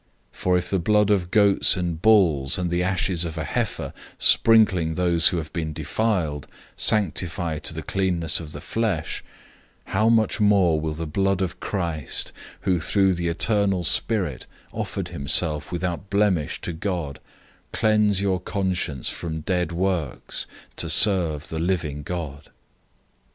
009:013 For if the blood of goats and bulls, and the ashes of a heifer sprinkling those who have been defiled, sanctify to the cleanness of the flesh: 009:014 how much more will the blood of Christ, who through the eternal Spirit offered himself without blemish to God, cleanse your conscience from dead works to serve the living God?